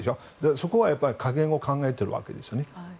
そこは加減を考えているわけですね。